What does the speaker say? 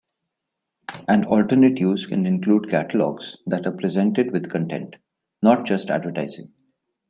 An alternate use can include catalogs that are presented with content, not just advertising.